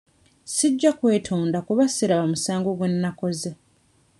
Sijja kwetonda kuba siraba musango gwe nnakoze.